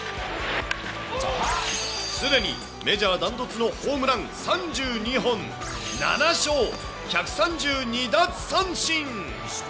すでにメジャー断トツのホームラン３２本、７勝１３２奪三振。